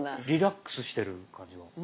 リラックスしてる感じが。